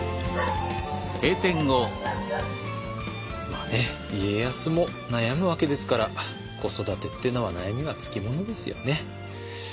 まあね家康も悩むわけですから子育てっていうのは悩みがつきものですよね。